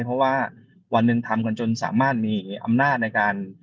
เพราะว่าวันหนึ่งทำกันจนสามารถมีอำนาจในการ